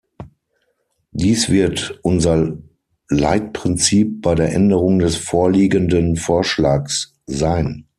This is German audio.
Dies wird unser Leitprinzip bei der Änderung des vorliegenden Vorschlags sein.